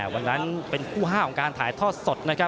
วันนั้นเป็นคู่๕ของการถ่ายทอดสดนะครับ